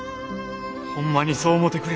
ほんまにそう思うてくれるのか？